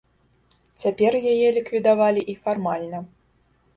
Цяпер яе ліквідавалі і фармальна.